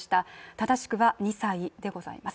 正しくは２歳でございます。